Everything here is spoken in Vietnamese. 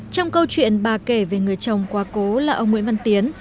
trong câu chuyện bà kể về người chồng quá cố là ông nguyễn văn tiến